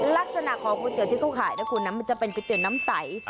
ลักษณะของก๋วยเตี๋ยวที่เขาขายนะคุณนะมันจะเป็นก๋วยเตี๋ยวน้ำใส